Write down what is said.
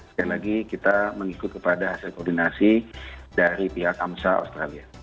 sekali lagi kita mengikut kepada hasil koordinasi dari pihak amsa australia